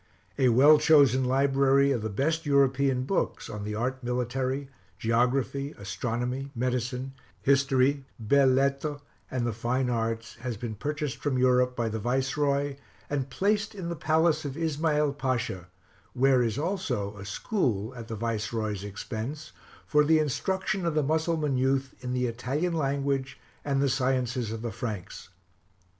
A well chosen library of the best European books on the art military, geography, astronomy, medicine, history, belles lettres and the fine arts has been purchased from Europe by the Viceroy and placed in the palace of Ismael Pasha, where is also a school, at the Viceroy's expense, for the instruction of the Mussulman youth in the Italian language and the sciences of the Franks.